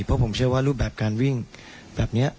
เพราะผมเชื่อว่ารูปแบบการวิ่งแบบนี้